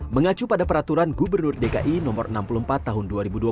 mengacu pada peraturan gubernur dki no enam puluh empat tahun dua ribu dua puluh